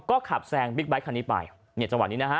ก็ขับแซงบิ๊กไบท์คันนี้ไปเนี่ยจังหวะนี้นะฮะ